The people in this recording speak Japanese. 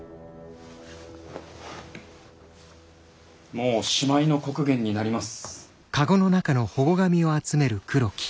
もうしまいの刻限になります。